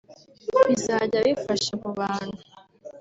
bizajya bifasha abo bantu